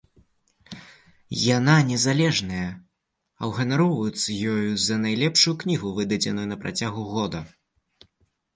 Яна незалежная, а ўганароўваюцца ёю за найлепшую кнігу, выдадзеную на працягу года.